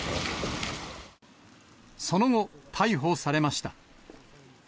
その後、逮捕されました。